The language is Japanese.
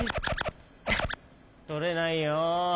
とれないよ。